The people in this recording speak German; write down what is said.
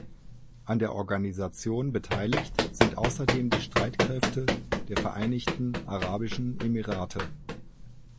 An der Organisation beteiligt sind außerdem die Streitkräfte der Vereinigten Arabischen Emirate.